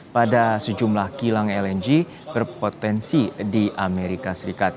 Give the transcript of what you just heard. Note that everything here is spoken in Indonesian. pada sejumlah kilang lng berpotensi di amerika serikat